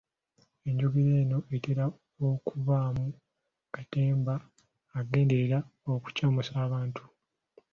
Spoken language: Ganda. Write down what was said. Enjogera eno etera okubaamu katemba agenderera okucamusa abantu.